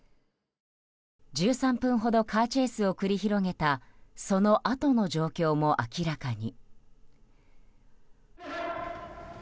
１３分ほどカーチェイスを繰り広げたそのあとの状況も明らかに。